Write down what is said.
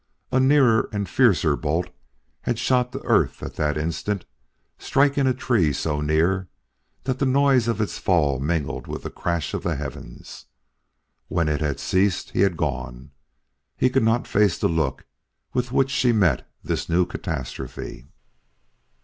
A nearer and fiercer bolt had shot to earth at that instant, striking a tree so near that the noise of its fall mingled with the crash of the heavens. When it had ceased, he had gone. He could not face the look with which she met this new catastrophe.